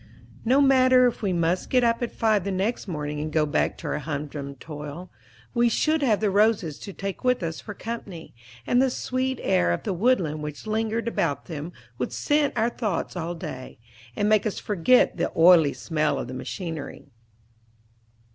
No matter if we must get up at five the next morning and go back to our hum drum toil, we should have the roses to take with us for company, and the sweet air of the woodland which lingered about them would scent our thoughts all day, and make us forget the oily smell of the machinery.